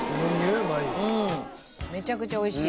めちゃくちゃ美味しい。